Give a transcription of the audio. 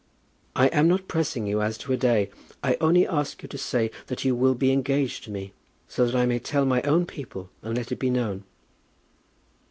"I am not pressing you as to a day. I only ask you to say that you will be engaged to me, so that I may tell my own people, and let it be known."